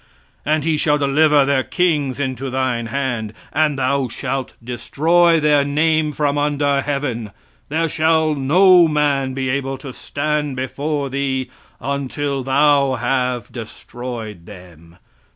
"And he shall deliver their kings into thine hand, and thou shalt destroy their name from under heaven; there shall no man be able to stand before thee, until thou have destroyed them."